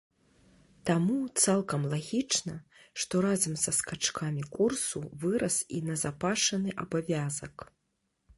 Таму цалкам лагічна, што разам са скачкамі курсу вырас і назапашаны абавязак.